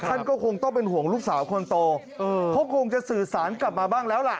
ท่านก็คงต้องเป็นห่วงลูกสาวคนโตเขาคงจะสื่อสารกลับมาบ้างแล้วล่ะ